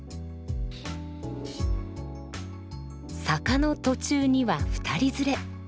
坂の途中には二人連れ。